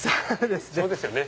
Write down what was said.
そうですね。